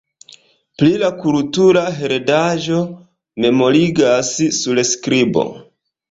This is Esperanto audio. Pri la kultura heredaĵo memorigas surskribo.